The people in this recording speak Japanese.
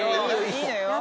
いいのよ。